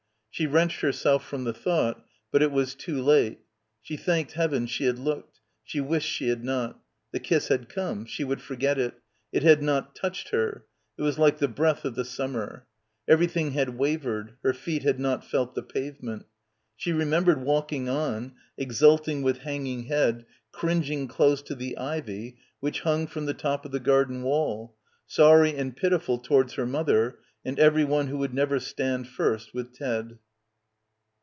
She wrenched herself from the thought, but it was too late. She thanked heaven she had looked ; she wished she had not; the kiss had come; she would forget it; it had not touched her, it was like the breath of the summer. Everything had wavered ; her feet had not felt the pavement. She remem bered walking on, exulting with hanging head, cringing close to the ivy which hung from the top of the garden wall, sorry and pitiful towards her mother, and everyone who would never stand first with Ted.